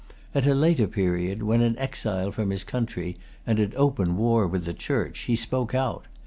At a later period, when an exile from his country, and at open war with the Church, he spoke out.